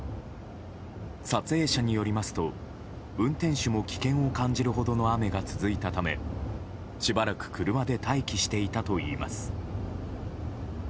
撮影者によりますと運転手も危険を感じるほどの雨が続いたため、しばらく車で待機していたといいます。